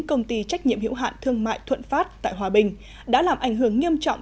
công ty trách nhiệm hiệu hạn thương mại thuận phát tại hòa bình đã làm ảnh hưởng nghiêm trọng